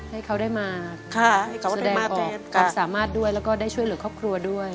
ให้เขาได้มาแสดงความสามารถด้วยแล้วก็ได้ช่วยเหลือครอบครัวด้วย